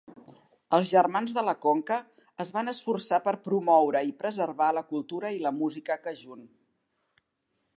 Els germans de la conca es van esforçar per promoure i preservar la cultura i la música Cajun.